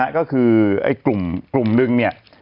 ก็คือกลุ่มนึงเนี่ย